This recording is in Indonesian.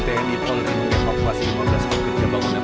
pendapatan dan pendapatan yang sangat penting